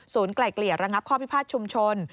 ไกล่เกลี่ยระงับข้อพิพาทชุมชน